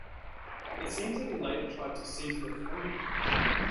It seems that he later tried to seize the throne.